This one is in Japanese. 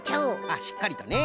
あっしっかりとね。